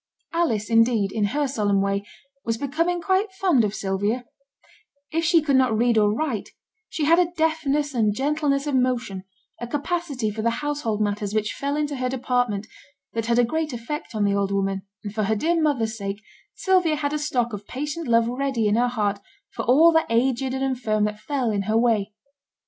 Alice, indeed, in her solemn way, was becoming quite fond of Sylvia; if she could not read or write, she had a deftness and gentleness of motion, a capacity for the household matters which fell into her department, that had a great effect on the old woman, and for her dear mother's sake Sylvia had a stock of patient love ready in her heart for all the aged and infirm that fell in her way.